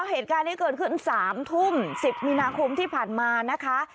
เหตุการณ์นี้เกิดขึ้น๓ทุ่ม๑๐มีนาคมที่ผ่านมานะคะ